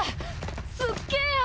すっげえや！